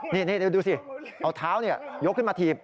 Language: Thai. นี่ดูสิเอาเท้ายกขึ้นมาถีบ